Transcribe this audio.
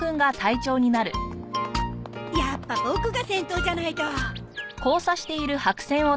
やっぱボクが先頭じゃないと。